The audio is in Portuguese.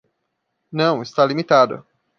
Não, está limitado.